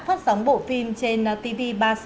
phát sóng bộ phim trên tv ba trăm sáu mươi